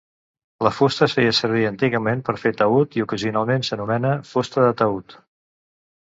La fusta es feia servir antigament per fer taüt i ocasionalment s'anomena "fusta de taüt".